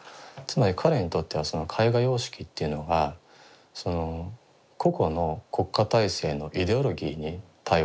つまり彼にとってはその絵画様式っていうのがその個々の国家体制のイデオロギーに対応するものでもあったと。